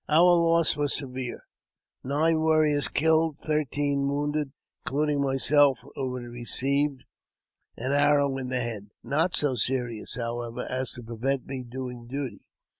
Our loss was severe : nine warriors killed and thirteen wounded, including myself, who had received an arrow in the head — not so serious, however, as to prevent me doing duty.